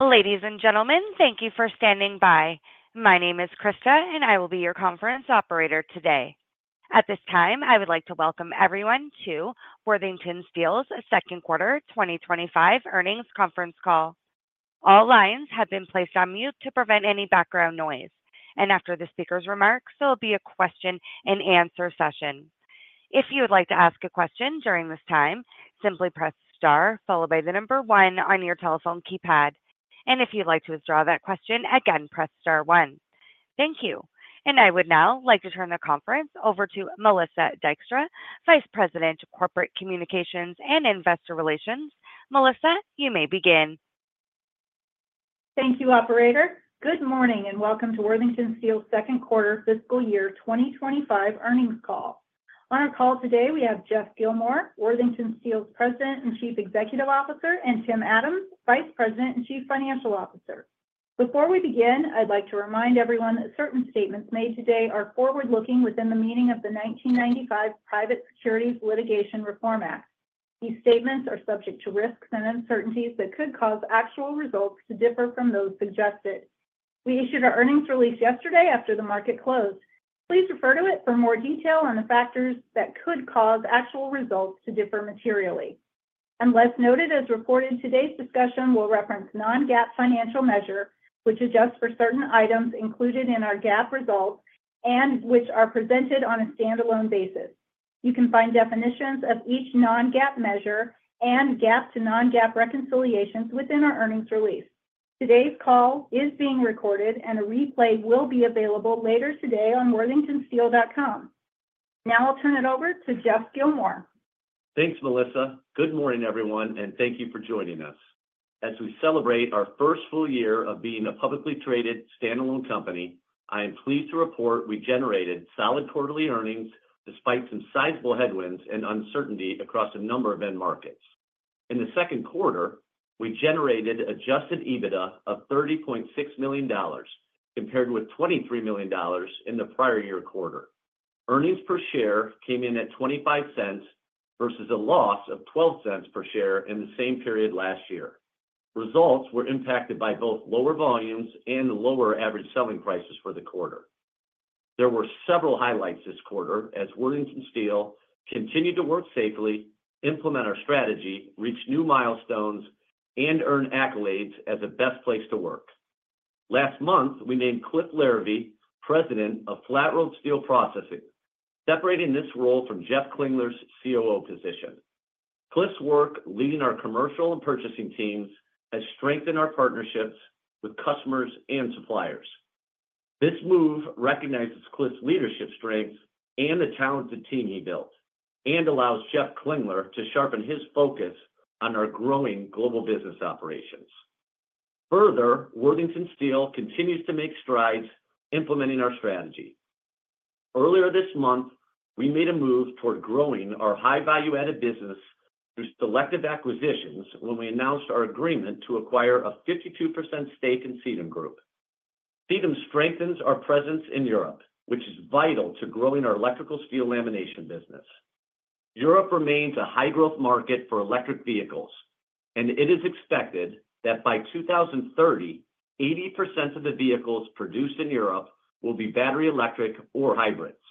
Ladies and gentlemen, thank you for standing by. My name is Krista, and I will be your conference operator today. At this time, I would like to welcome everyone to Worthington Steel's second quarter 2025 earnings conference call. All lines have been placed on mute to prevent any background noise, and after the speaker's remarks, there will be a question-and-answer session. If you would like to ask a question during this time, simply press star followed by the number one on your telephone keypad, and if you'd like to withdraw that question, again, press star one. Thank you, and I would now like to turn the conference over to Melissa Dykstra, Vice President, Corporate Communications and Investor Relations. Melissa, you may begin. Thank you, Operator. Good morning and welcome to Worthington Steel's second quarter fiscal year 2025 earnings call. On our call today, we have Jeff Gilmore, Worthington Steel's President and Chief Executive Officer, and Tim Adams, Vice President and Chief Financial Officer. Before we begin, I'd like to remind everyone that certain statements made today are forward-looking within the meaning of the 1995 Private Securities Litigation Reform Act. These statements are subject to risks and uncertainties that could cause actual results to differ from those suggested. We issued our earnings release yesterday after the market closed. Please refer to it for more detail on the factors that could cause actual results to differ materially. Unless noted as reported, today's discussion will reference non-GAAP financial measure, which adjusts for certain items included in our GAAP results and which are presented on a standalone basis. You can find definitions of each non-GAAP measure and GAAP to non-GAAP reconciliations within our earnings release. Today's call is being recorded, and a replay will be available later today on worthingtonsteel.com. Now I'll turn it over to Jeff Gilmore. Thanks, Melissa. Good morning, everyone, and thank you for joining us. As we celebrate our first full year of being a publicly traded standalone company, I am pleased to report we generated solid quarterly earnings despite some sizable headwinds and uncertainty across a number of end markets. In the second quarter, we generated adjusted EBITDA of $30.6 million, compared with $23 million in the prior year quarter. Earnings per share came in at $0.25 versus a loss of $0.12 per share in the same period last year. Results were impacted by both lower volumes and the lower average selling prices for the quarter. There were several highlights this quarter as Worthington Steel continued to work safely, implement our strategy, reach new milestones, and earn accolades as the best place to work. Last month, we named Cliff Larivey, President of Flat Rolled Steel Processing, separating this role from Jeff Klingler's COO position. Cliff's work leading our commercial and purchasing teams has strengthened our partnerships with customers and suppliers. This move recognizes Cliff's leadership strengths and the talented team he built, and allows Jeff Klingler to sharpen his focus on our growing global business operations. Further, Worthington Steel continues to make strides implementing our strategy. Earlier this month, we made a move toward growing our high-value-added business through selective acquisitions when we announced our agreement to acquire a 52% stake in Sitem Group. Sitem strengthens our presence in Europe, which is vital to growing our electrical steel lamination business. Europe remains a high-growth market for electric vehicles, and it is expected that by 2030, 80% of the vehicles produced in Europe will be battery electric or hybrids.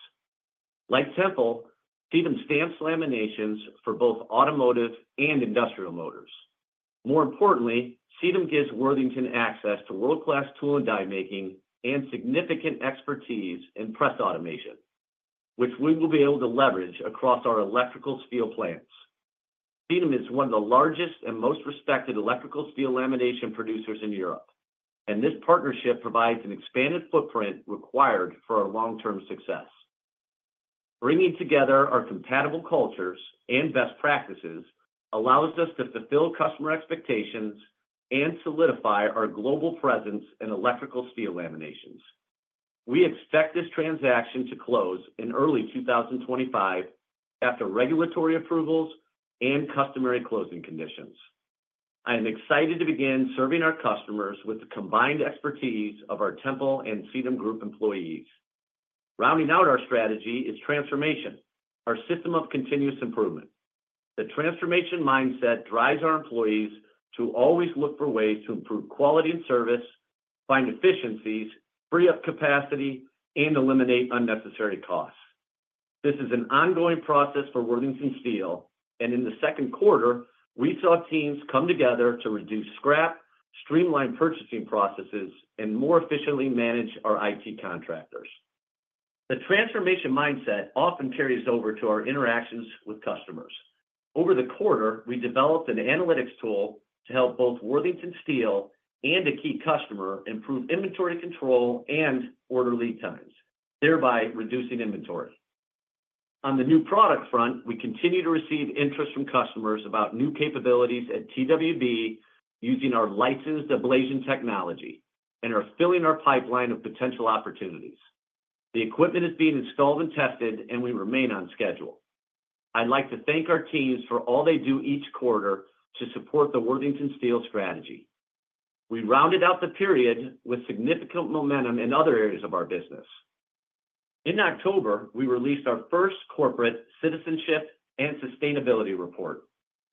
Like Tempel, Sitem stamps laminations for both automotive and industrial motors. More importantly, Sitem gives Worthington access to world-class tool and die making and significant expertise in press automation, which we will be able to leverage across our electrical steel plants. Sitem is one of the largest and most respected electrical steel lamination producers in Europe, and this partnership provides an expanded footprint required for our long-term success. Bringing together our compatible cultures and best practices allows us to fulfill customer expectations and solidify our global presence in electrical steel laminations. We expect this transaction to close in early 2025 after regulatory approvals and customary closing conditions. I am excited to begin serving our customers with the combined expertise of our Tempel and Sitem Group employees. Rounding out our strategy is transformation, our system of continuous improvement. The transformation mindset drives our employees to always look for ways to improve quality and service, find efficiencies, free up capacity, and eliminate unnecessary costs. This is an ongoing process for Worthington Steel, and in the second quarter, we saw teams come together to reduce scrap, streamline purchasing processes, and more efficiently manage our IT contractors. The transformation mindset often carries over to our interactions with customers. Over the quarter, we developed an analytics tool to help both Worthington Steel and a key customer improve inventory control and order lead times, thereby reducing inventory. On the new product front, we continue to receive interest from customers about new capabilities at TWB using our licensed ablation technology and are filling our pipeline of potential opportunities. The equipment is being installed and tested, and we remain on schedule. I'd like to thank our teams for all they do each quarter to support the Worthington Steel strategy. We rounded out the period with significant momentum in other areas of our business. In October, we released our first corporate citizenship and sustainability report,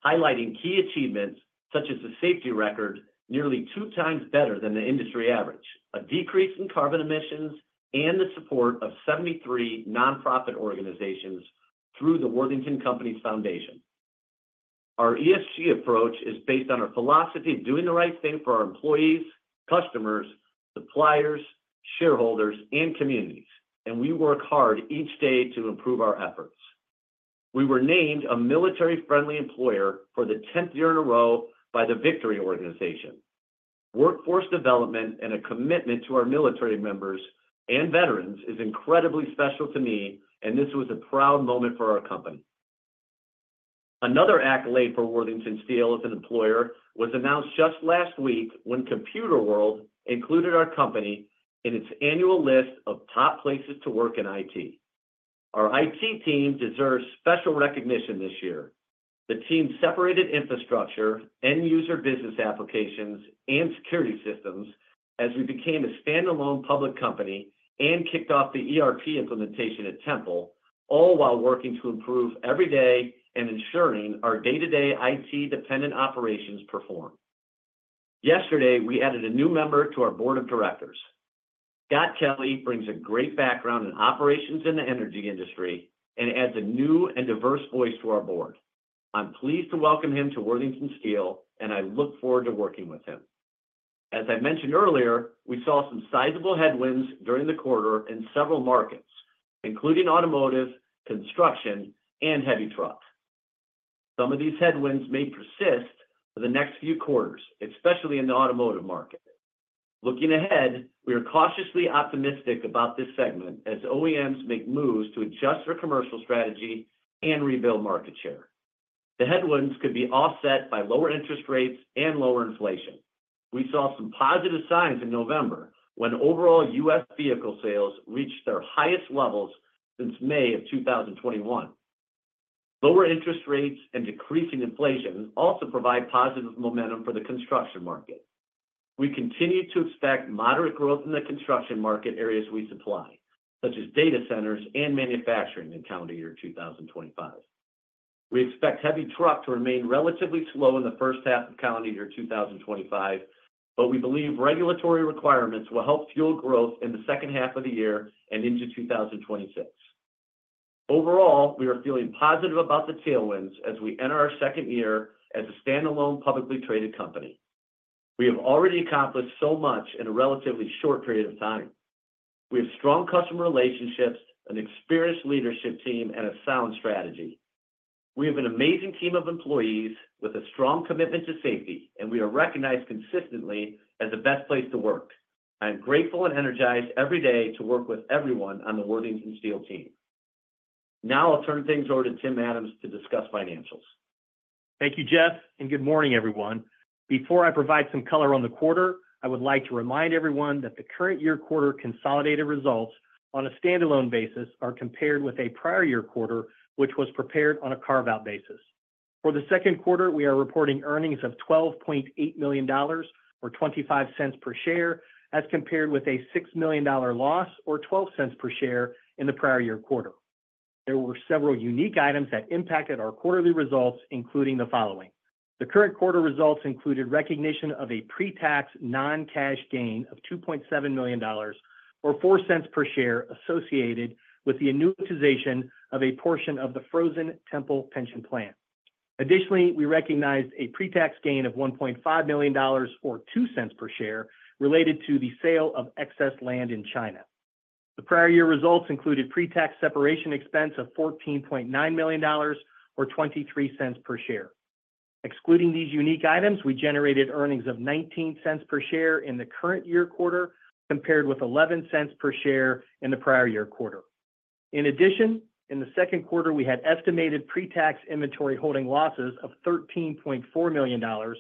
highlighting key achievements such as the safety record, nearly two times better than the industry average, a decrease in carbon emissions, and the support of 73 nonprofit organizations through the Worthington Companies Foundation. Our ESG approach is based on our philosophy of doing the right thing for our employees, customers, suppliers, shareholders, and communities, and we work hard each day to improve our efforts. We were named a military-friendly employer for the 10th year in a row by Viqtory. Workforce development and a commitment to our military members and veterans is incredibly special to me, and this was a proud moment for our company. Another accolade for Worthington Steel as an employer was announced just last week when Computerworld included our company in its annual list of top places to work in IT. Our IT team deserves special recognition this year. The team separated infrastructure, end-user business applications, and security systems as we became a standalone public company and kicked off the ERP implementation at Tempel, all while working to improve every day and ensuring our day-to-day IT-dependent operations perform. Yesterday, we added a new member to our board of directors. Scott Kelly brings a great background in operations in the energy industry and adds a new and diverse voice to our board. I'm pleased to welcome him to Worthington Steel, and I look forward to working with him. As I mentioned earlier, we saw some sizable headwinds during the quarter in several markets, including automotive, construction, and heavy trucks. Some of these headwinds may persist for the next few quarters, especially in the automotive market. Looking ahead, we are cautiously optimistic about this segment as OEMs make moves to adjust their commercial strategy and rebuild market share. The headwinds could be offset by lower interest rates and lower inflation. We saw some positive signs in November when overall U.S. vehicle sales reached their highest levels since May of 2021. Lower interest rates and decreasing inflation also provide positive momentum for the construction market. We continue to expect moderate growth in the construction market areas we supply, such as data centers and manufacturing in calendar year 2025. We expect heavy truck to remain relatively slow in the first half of calendar year 2025, but we believe regulatory requirements will help fuel growth in the second half of the year and into 2026. Overall, we are feeling positive about the tailwinds as we enter our second year as a standalone publicly traded company. We have already accomplished so much in a relatively short period of time. We have strong customer relationships, an experienced leadership team, and a sound strategy. We have an amazing team of employees with a strong commitment to safety, and we are recognized consistently as the best place to work. I am grateful and energized every day to work with everyone on the Worthington Steel team. Now I'll turn things over to Tim Adams to discuss financials. Thank you, Jeff, and good morning, everyone. Before I provide some color on the quarter, I would like to remind everyone that the current year quarter consolidated results on a standalone basis are compared with a prior year quarter, which was prepared on a carve-out basis. For the second quarter, we are reporting earnings of $12.8 million or $0.25 per share, as compared with a $6 million loss or $0.12 per share in the prior year quarter. There were several unique items that impacted our quarterly results, including the following. The current quarter results included recognition of a pre-tax non-cash gain of $2.7 million or $0.04 per share associated with the annuitization of a portion of the frozen Tempel pension plan. Additionally, we recognized a pre-tax gain of $1.5 million or $0.02 per share related to the sale of excess land in China. The prior year results included pre-tax separation expense of $14.9 million or $0.23 per share. Excluding these unique items, we generated earnings of $0.19 per share in the current year quarter, compared with $0.11 per share in the prior year quarter. In addition, in the second quarter, we had estimated pre-tax inventory holding losses of $13.4 million or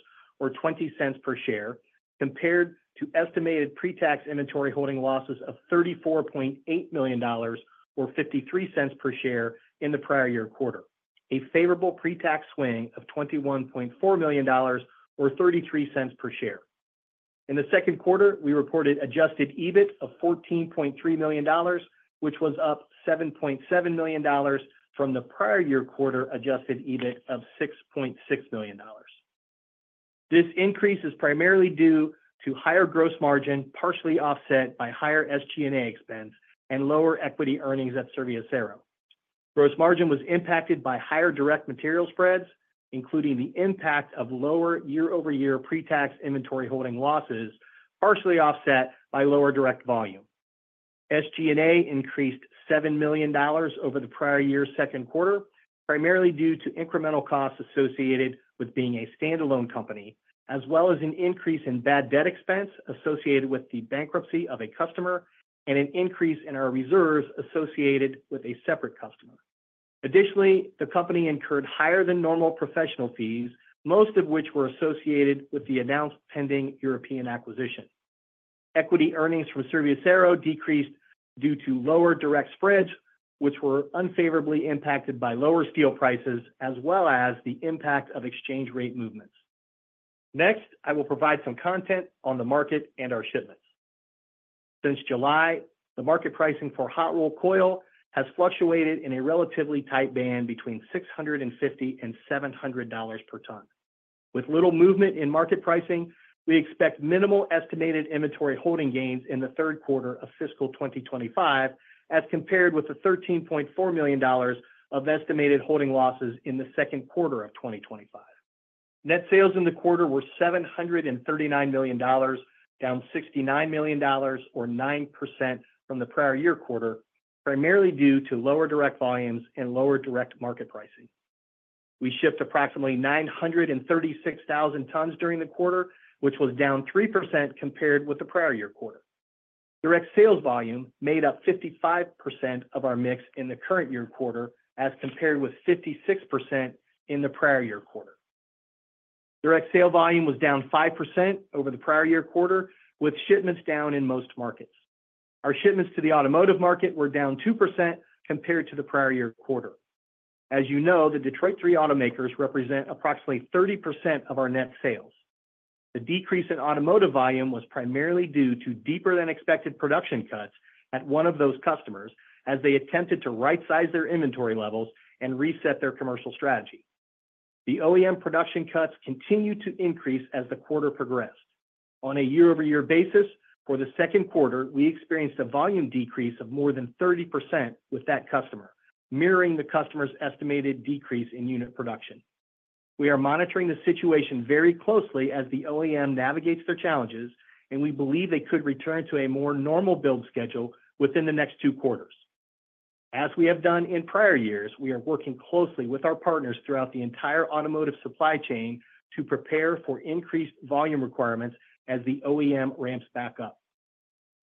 $0.20 per share, compared to estimated pre-tax inventory holding losses of $34.8 million or $0.53 per share in the prior year quarter, a favorable pre-tax swing of $21.4 million or $0.33 per share. In the second quarter, we reported adjusted EBIT of $14.3 million, which was up $7.7 million from the prior year quarter adjusted EBIT of $6.6 million. This increase is primarily due to higher gross margin, partially offset by higher SG&A expense and lower equity earnings at Serviacero Worthington. Gross margin was impacted by higher direct material spreads, including the impact of lower year-over-year pre-tax inventory holding losses, partially offset by lower direct volume. SG&A increased $7 million over the prior year second quarter, primarily due to incremental costs associated with being a standalone company, as well as an increase in bad debt expense associated with the bankruptcy of a customer and an increase in our reserves associated with a separate customer. Additionally, the company incurred higher than normal professional fees, most of which were associated with the announced pending European acquisition. Equity earnings from Serviacero Worthington decreased due to lower direct spreads, which were unfavorably impacted by lower steel prices, as well as the impact of exchange rate movements. Next, I will provide some content on the market and our shipments. Since July, the market pricing for hot rolled coil has fluctuated in a relatively tight band between $650 and $700 per ton. With little movement in market pricing, we expect minimal estimated inventory holding gains in the third quarter of fiscal 2025, as compared with the $13.4 million of estimated holding losses in the second quarter of 2025. Net sales in the quarter were $739 million, down $69 million or 9% from the prior year quarter, primarily due to lower direct volumes and lower direct market pricing. We shipped approximately 936,000 tons during the quarter, which was down 3% compared with the prior year quarter. Direct sales volume made up 55% of our mix in the current year quarter, as compared with 56% in the prior year quarter. Direct sale volume was down 5% over the prior year quarter, with shipments down in most markets. Our shipments to the automotive market were down 2% compared to the prior year quarter. As you know, the Detroit Three represent approximately 30% of our net sales. The decrease in automotive volume was primarily due to deeper-than-expected production cuts at one of those customers as they attempted to right-size their inventory levels and reset their commercial strategy. The OEM production cuts continued to increase as the quarter progressed. On a year-over-year basis, for the second quarter, we experienced a volume decrease of more than 30% with that customer, mirroring the customer's estimated decrease in unit production. We are monitoring the situation very closely as the OEM navigates their challenges, and we believe they could return to a more normal build schedule within the next two quarters. As we have done in prior years, we are working closely with our partners throughout the entire automotive supply chain to prepare for increased volume requirements as the OEM ramps back up.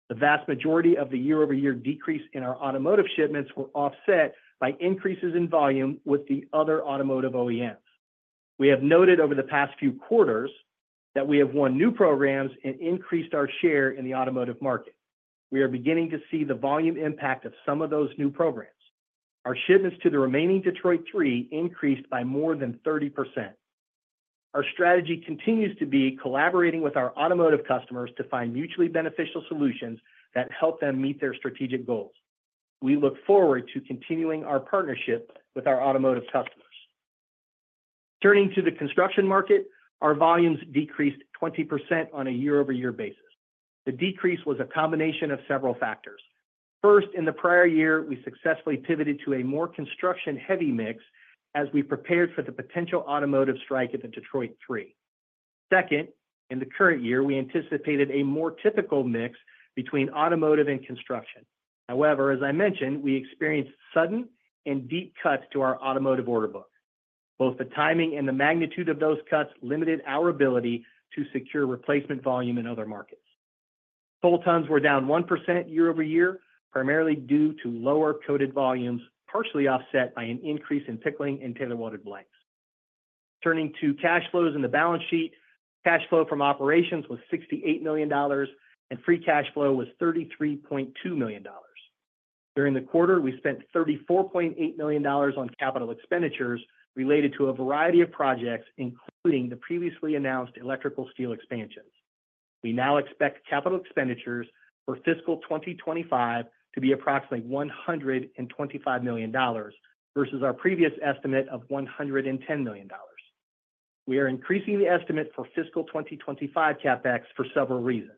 The vast majority of the year-over-year decrease in our automotive shipments was offset by increases in volume with the other automotive OEMs. We have noted over the past few quarters that we have won new programs and increased our share in the automotive market. We are beginning to see the volume impact of some of those new programs. Our shipments to the remaining Detroit Three increased by more than 30%. Our strategy continues to be collaborating with our automotive customers to find mutually beneficial solutions that help them meet their strategic goals. We look forward to continuing our partnership with our automotive customers. Turning to the construction market, our volumes decreased 20% on a year-over-year basis. The decrease was a combination of several factors. First, in the prior year, we successfully pivoted to a more construction-heavy mix as we prepared for the potential automotive strike at the Detroit Three. Second, in the current year, we anticipated a more typical mix between automotive and construction. However, as I mentioned, we experienced sudden and deep cuts to our automotive order book. Both the timing and the magnitude of those cuts limited our ability to secure replacement volume in other markets. Toll tons were down 1% year-over-year, primarily due to lower coated volumes, partially offset by an increase in pickling and tailor-welded blanks. Turning to cash flows in the balance sheet, cash flow from operations was $68 million, and free cash flow was $33.2 million. During the quarter, we spent $34.8 million on capital expenditures related to a variety of projects, including the previously announced electrical steel expansions. We now expect capital expenditures for fiscal 2025 to be approximately $125 million versus our previous estimate of $110 million. We are increasing the estimate for fiscal 2025 CapEx for several reasons.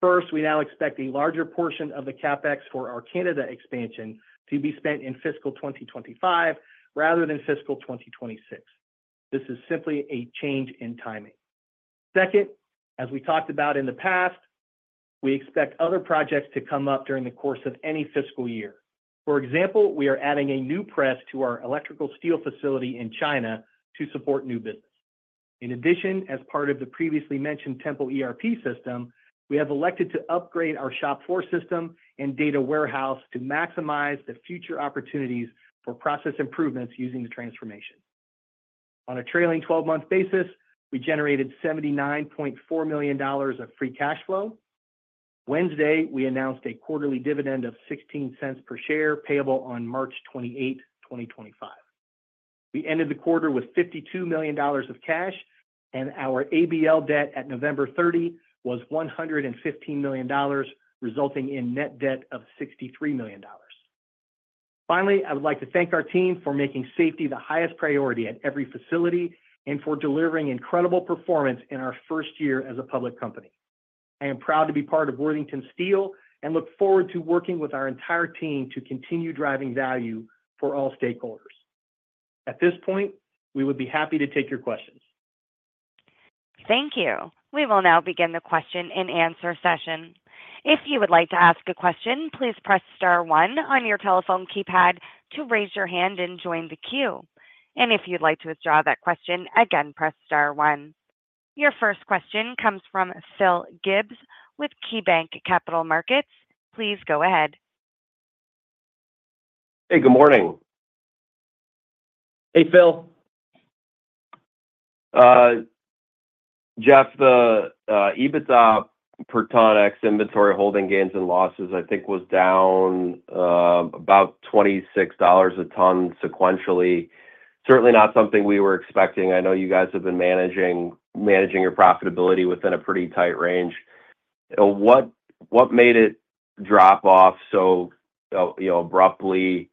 First, we now expect a larger portion of the CapEx for our Canada expansion to be spent in fiscal 2025 rather than fiscal 2026. This is simply a change in timing. Second, as we talked about in the past, we expect other projects to come up during the course of any fiscal year. For example, we are adding a new press to our electrical steel facility in China to support new business. In addition, as part of the previously mentioned Tempel ERP system, we have elected to upgrade our shop floor system and data warehouse to maximize the future opportunities for process improvements using the transformation. On a trailing 12-month basis, we generated $79.4 million of free cash flow. Wednesday, we announced a quarterly dividend of $0.16 per share payable on March 28, 2025. We ended the quarter with $52 million of cash, and our ABL debt at November 30, was $115 million, resulting in net debt of $63 million. Finally, I would like to thank our team for making safety the highest priority at every facility and for delivering incredible performance in our first year as a public company. I am proud to be part of Worthington Steel and look forward to working with our entire team to continue driving value for all stakeholders. At this point, we would be happy to take your questions. Thank you. We will now begin the question and answer session. If you would like to ask a question, please press star one on your telephone keypad to raise your hand and join the queue. And if you'd like to withdraw that question, again, press star one. Your first question comes from Phil Gibbs with KeyBanc Capital Markets. Please go ahead. Hey, good morning. Hey, Phil. Jeff, the EBIT per ton ex inventory holding gains and losses, I think, was down about $26 a ton sequentially. Certainly not something we were expecting. I know you guys have been managing your profitability within a pretty tight range. What made it drop off so abruptly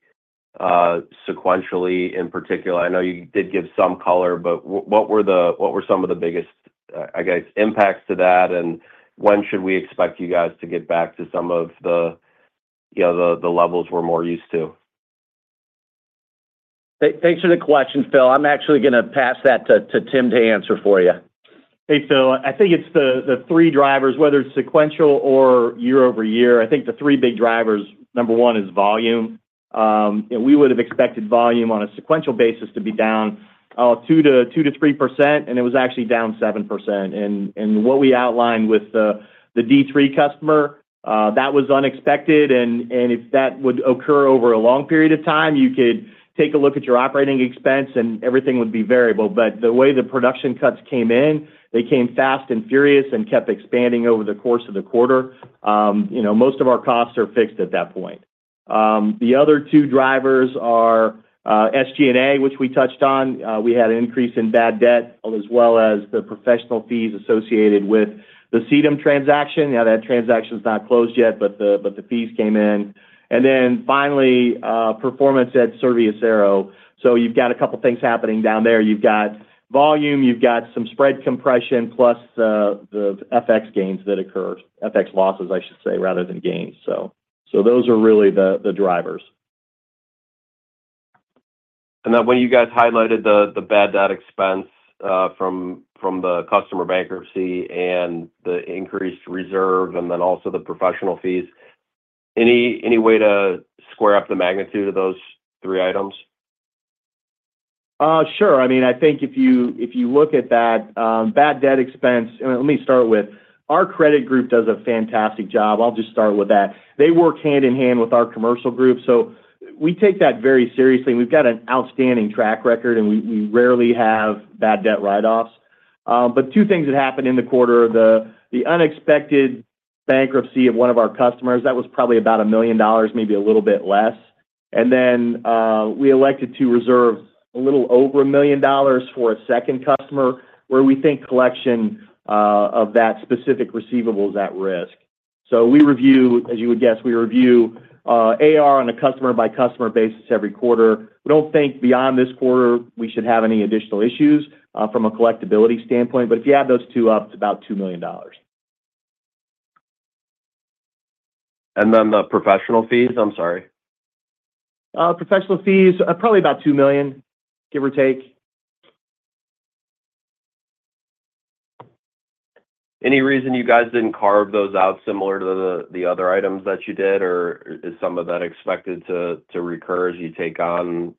sequentially in particular? I know you did give some color, but what were some of the biggest, I guess, impacts to that? And when should we expect you guys to get back to some of the levels we're more used to? Thanks for the question, Phil. I'm actually going to pass that to Tim to answer for you. Hey, Phil, I think it's the three drivers, whether it's sequential or year-over-year. I think the three big drivers, number one is volume. We would have expected volume on a sequential basis to be down 2%-3%, and it was actually down 7%. And what we outlined with the D3 customer, that was unexpected. And if that would occur over a long period of time, you could take a look at your operating expense, and everything would be variable. But the way the production cuts came in, they came fast and furious and kept expanding over the course of the quarter. Most of our costs are fixed at that point. The other two drivers are SG&A, which we touched on. We had an increase in bad debt, as well as the professional fees associated with the CDEM transaction. Now, that transaction's not closed yet, but the fees came in. And then finally, performance at Serviacero Worthington. So you've got a couple of things happening down there. You've got volume, you've got some spread compression, plus the FX gains that occurred, FX losses, I should say, rather than gains. So those are really the drivers. And then when you guys highlighted the bad debt expense from the customer bankruptcy and the increased reserve and then also the professional fees, any way to square up the magnitude of those three items? Sure. I mean, I think if you look at that bad debt expense, let me start with our credit group does a fantastic job. I'll just start with that. They work hand in hand with our commercial group. So we take that very seriously. We've got an outstanding track record, and we rarely have bad debt write-offs. But two things that happened in the quarter: the unexpected bankruptcy of one of our customers, that was probably about $1 million, maybe a little bit less. And then we elected to reserve a little over $1 million for a second customer where we think collection of that specific receivables at risk. So we review, as you would guess, we review AR on a customer-by-customer basis every quarter. We don't think beyond this quarter we should have any additional issues from a collectibility standpoint. But if you add those two up, it's about $2 million. And then the professional fees, I'm sorry. Professional fees, probably about $2 million, give or take. Any reason you guys didn't carve those out similar to the other items that you did, or is some of that expected to recur as you take on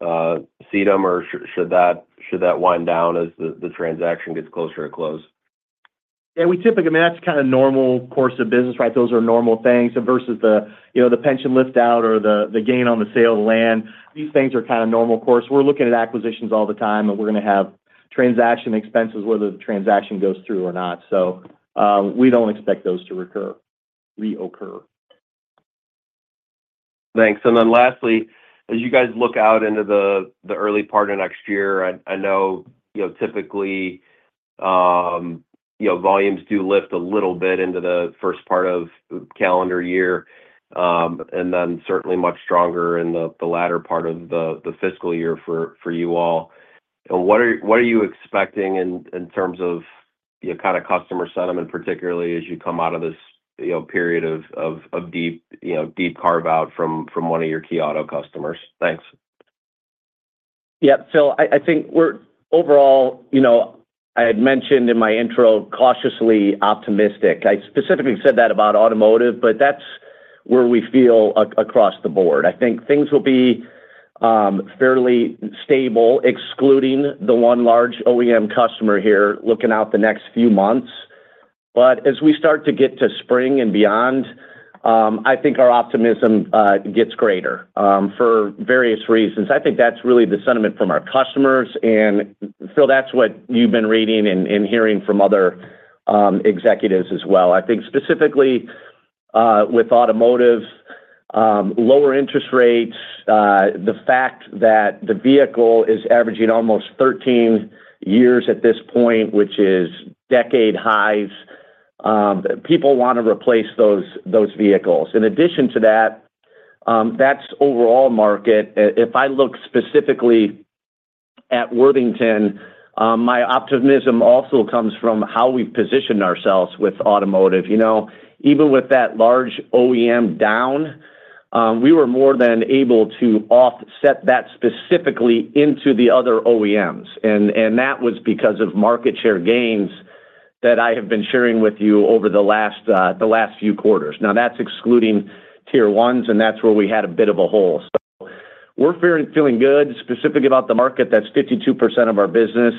C, or should that wind down as the transaction gets closer to close? Yeah, we typically, I mean, that's kind of normal course of business, right? Those are normal things versus the pension lift-out or the gain on the sale of land. These things are kind of normal course. We're looking at acquisitions all the time, and we're going to have transaction expenses whether the transaction goes through or not. So we don't expect those to recur, reoccur. Thanks. And then lastly, as you guys look out into the early part of next year, I know typically volumes do lift a little bit into the first part of calendar year and then certainly much stronger in the latter part of the fiscal year for you all. And what are you expecting in terms of kind of customer sentiment, particularly as you come out of this period of deep carve-out from one of your key auto customers? Thanks. Yeah, Phil, I think we're overall. I had mentioned in my intro, cautiously optimistic. I specifically said that about automotive, but that's where we feel across the board. I think things will be fairly stable, excluding the one large OEM customer here, looking out the next few months. But as we start to get to spring and beyond, I think our optimism gets greater for various reasons. I think that's really the sentiment from our customers. And Phil, that's what you've been reading and hearing from other executives as well. I think specifically with automotive, lower interest rates, the fact that the vehicle is averaging almost 13 years at this point, which is decade highs, people want to replace those vehicles. In addition to that, that's overall market. If I look specifically at Worthington, my optimism also comes from how we've positioned ourselves with automotive. Even with that large OEM down, we were more than able to offset that specifically into the other OEMs. And that was because of market share gains that I have been sharing with you over the last few quarters. Now, that's excluding tier ones, and that's where we had a bit of a hole. So we're feeling good specifically about the market. That's 52% of our business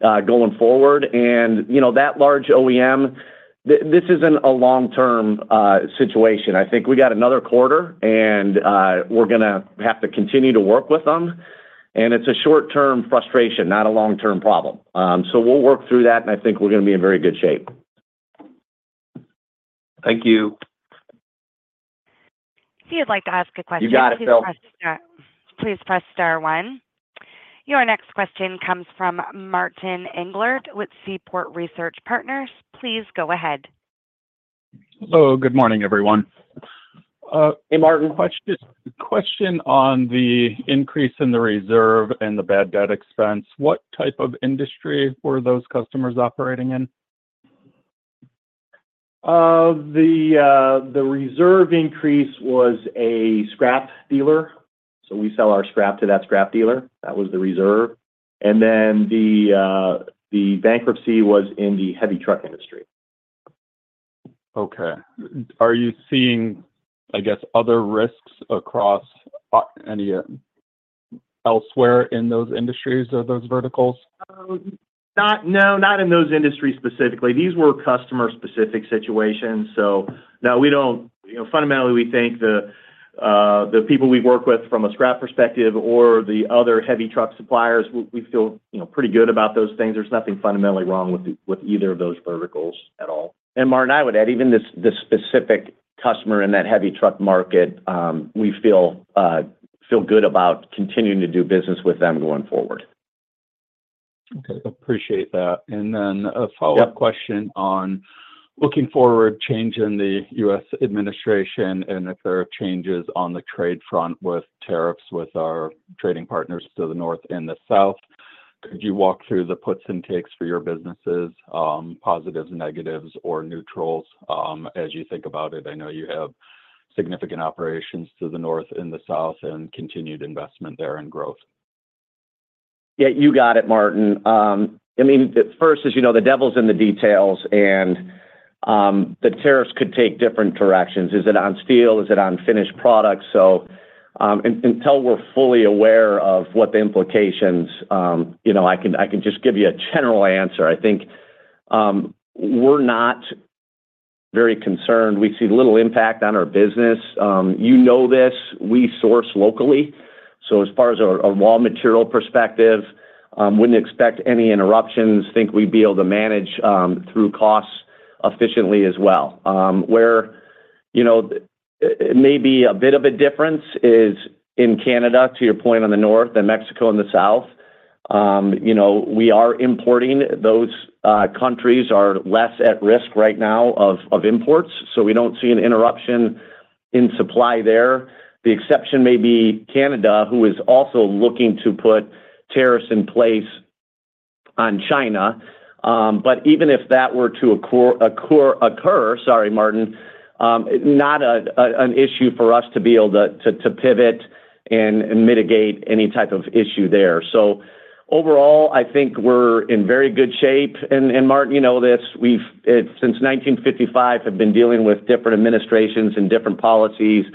going forward. And that large OEM, this isn't a long-term situation. I think we got another quarter, and we're going to have to continue to work with them. And it's a short-term frustration, not a long-term problem. So we'll work through that, and I think we're going to be in very good shape. Thank you. If you'd like to ask a question, please press star one. Your next question comes from Martin Englert with Seaport Research Partners. Please go ahead. Hello. Good morning, everyone. Hey, Martin. Question on the increase in the reserve and the bad debt expense. What type of industry were those customers operating in? The reserve increase was a scrap dealer. So we sell our scrap to that scrap dealer. That was the reserve. And then the bankruptcy was in the heavy truck industry. Okay. Are you seeing, I guess, other risks across any elsewhere in those industries or those verticals? No, not in those industries specifically. These were customer-specific situations. So no, we don't fundamentally, we think the people we work with from a scrap perspective or the other heavy truck suppliers, we feel pretty good about those things. There's nothing fundamentally wrong with either of those verticals at all. And Martin, I would add even the specific customer in that heavy truck market, we feel good about continuing to do business with them going forward. Okay. Appreciate that, and then a follow-up question on looking forward, change in the U.S. administration and if there are changes on the trade front with tariffs with our trading partners to the north and the south. Could you walk through the puts and takes for your businesses, positives, negatives, or neutrals as you think about it? I know you have significant operations to the north and the south and continued investment there and growth. Yeah, you got it, Martin. I mean, first, as you know, the devil's in the details, and the tariffs could take different directions. Is it on steel? Is it on finished products? So until we're fully aware of what the implications, I can just give you a general answer. I think we're not very concerned. We see little impact on our business. You know this. We source locally. So as far as a raw material perspective, wouldn't expect any interruptions. Think we'd be able to manage through costs efficiently as well. Where it may be a bit of a difference is in Canada, to your point on the north, and Mexico in the south. We are importing. Those countries are less at risk right now of imports. So we don't see an interruption in supply there. The exception may be Canada, who is also looking to put tariffs in place on China. But even if that were to occur, sorry, Martin, not an issue for us to be able to pivot and mitigate any type of issue there. So overall, I think we're in very good shape. And Martin, you know this. Since 1955, I've been dealing with different administrations and different policies.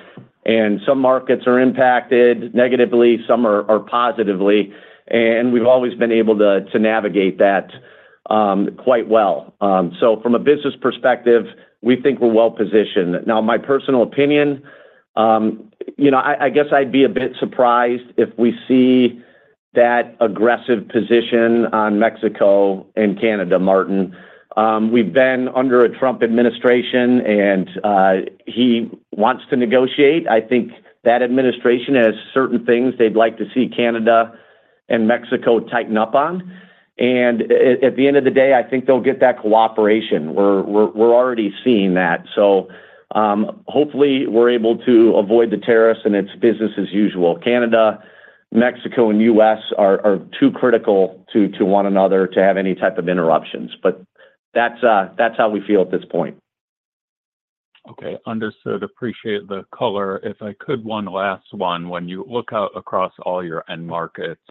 And some markets are impacted negatively, some are positively. And we've always been able to navigate that quite well. So from a business perspective, we think we're well positioned. Now, my personal opinion, I guess I'd be a bit surprised if we see that aggressive position on Mexico and Canada, Martin. We've been under a Trump administration, and he wants to negotiate. I think that administration has certain things they'd like to see Canada and Mexico tighten up on. At the end of the day, I think they'll get that cooperation. We're already seeing that. Hopefully, we're able to avoid the tariffs and it's business as usual. Canada, Mexico, and U.S. are too critical to one another to have any type of interruptions. That's how we feel at this point. Okay. Understood. Appreciate the color. If I could, one last one. When you look out across all your end markets,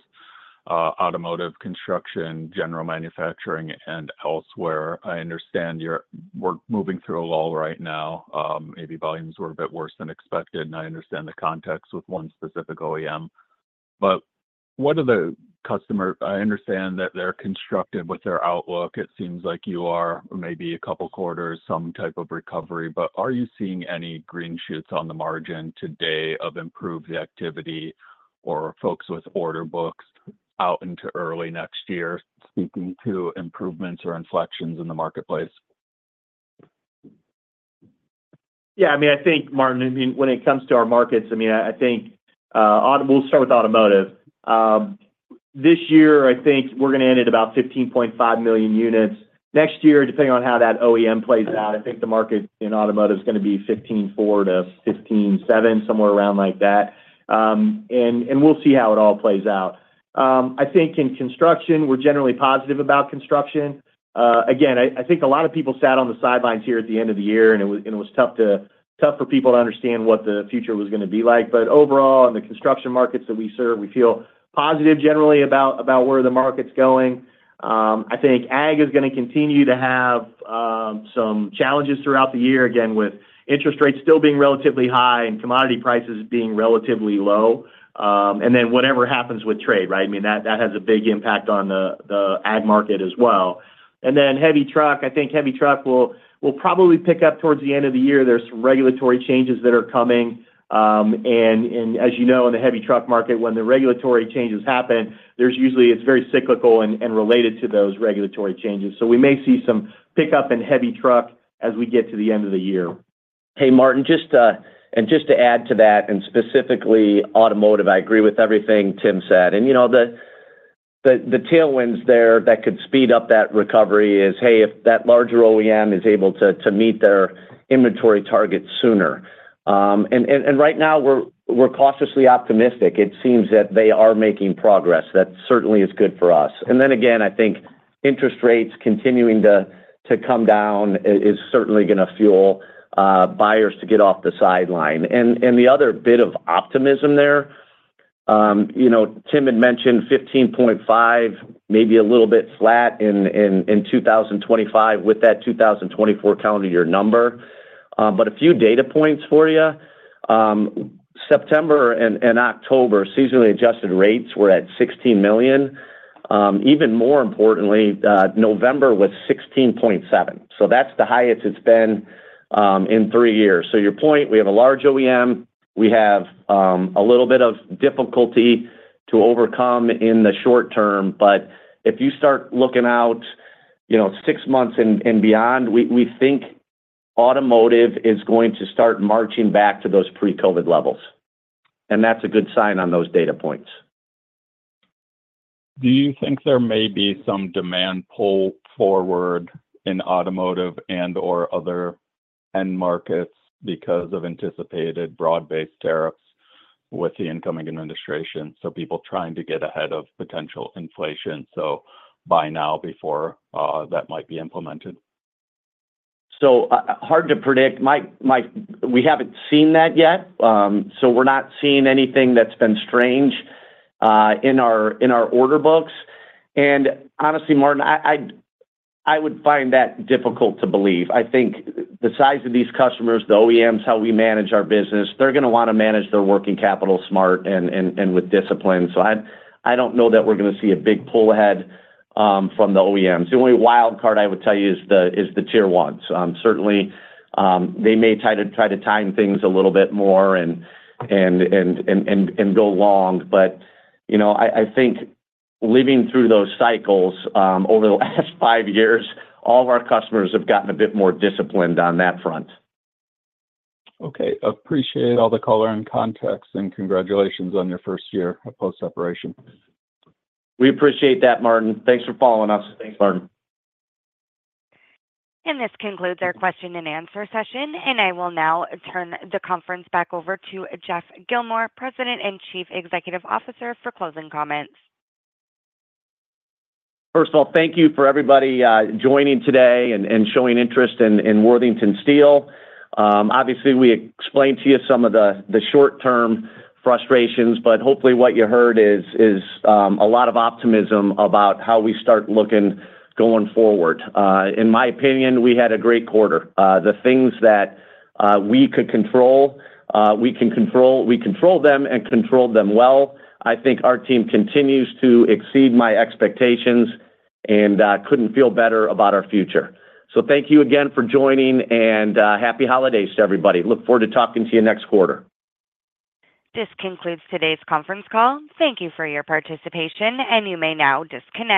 automotive, construction, general manufacturing, and elsewhere, I understand we're moving through a lull right now. Maybe volumes were a bit worse than expected. And I understand the context with one specific OEM. But what are the customers? I understand that they're conservative with their outlook. It seems like you are maybe a couple of quarters, some type of recovery. But are you seeing any green shoots on the margin today of improved activity or folks with order books out into early next year speaking to improvements or inflections in the marketplace? Yeah. I mean, I think, Martin, I mean, when it comes to our markets, I mean, I think we'll start with automotive. This year, I think we're going to end at about 15.5 million units. Next year, depending on how that OEM plays out, I think the market in automotive is going to be 15.4-15.7 million units, somewhere around like that, and we'll see how it all plays out. I think in construction, we're generally positive about construction. Again, I think a lot of people sat on the sidelines here at the end of the year, and it was tough for people to understand what the future was going to be like, but overall, in the construction markets that we serve, we feel positive generally about where the market's going. I think ag is going to continue to have some challenges throughout the year, again, with interest rates still being relatively high and commodity prices being relatively low. Then whatever happens with trade, right? I mean, that has a big impact on the ag market as well. Then heavy truck, I think heavy truck will probably pick up towards the end of the year. There are regulatory changes that are coming. And as you know, in the heavy truck market, when the regulatory changes happen, it's usually very cyclical and related to those regulatory changes. So we may see some pickup in heavy truck as we get to the end of the year. Hey, Martin, and just to add to that and specifically automotive, I agree with everything Tim said. The tailwinds there that could speed up that recovery is, hey, if that larger OEM is able to meet their inventory targets sooner. Right now, we're cautiously optimistic. It seems that they are making progress. That certainly is good for us. Then again, I think interest rates continuing to come down is certainly going to fuel buyers to get off the sideline. The other bit of optimism there, Tim had mentioned 15.5, maybe a little bit flat in 2025 with that 2024 calendar year number. A few data points for you. September and October, seasonally adjusted rates were at 16 million. Even more importantly, November was 16.7. That's the highest it's been in three years. Your point, we have a large OEM. We have a little bit of difficulty to overcome in the short term. But if you start looking out six months and beyond, we think automotive is going to start marching back to those pre-COVID levels. And that's a good sign on those data points. Do you think there may be some demand pull forward in automotive and/or other end markets because of anticipated broad-based tariffs with the incoming administration? So people trying to get ahead of potential inflation by now before that might be implemented? So hard to predict. We haven't seen that yet. So we're not seeing anything that's been strange in our order books. And honestly, Martin, I would find that difficult to believe. I think the size of these customers, the OEMs, how we manage our business, they're going to want to manage their working capital smart and with discipline. So I don't know that we're going to see a big pull ahead from the OEMs. The only wild card I would tell you is the tier ones. Certainly, they may try to time things a little bit more and go long. But I think living through those cycles over the last five years, all of our customers have gotten a bit more disciplined on that front. Okay. Appreciate all the color and context, and congratulations on your first year of post-separation. We appreciate that, Martin. Thanks for following us. Thanks, Martin. This concludes our question and answer session. I will now turn the conference back over to Jeff Gilmore, President and Chief Executive Officer, for closing comments. First of all, thank you for everybody joining today and showing interest in Worthington Steel. Obviously, we explained to you some of the short-term frustrations, but hopefully what you heard is a lot of optimism about how we start looking going forward. In my opinion, we had a great quarter. The things that we could control, we control them and control them well. I think our team continues to exceed my expectations and couldn't feel better about our future. So thank you again for joining, and happy holidays to everybody. Look forward to talking to you next quarter. This concludes today's conference call. Thank you for your participation, and you may now disconnect.